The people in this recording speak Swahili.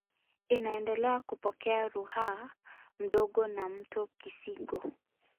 Inaendelea kupokea Ruaha Mdogo na mto Kisigo